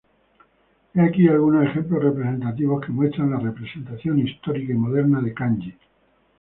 He aquí algunos ejemplos representativos que muestran la representación histórica y moderna del kanji.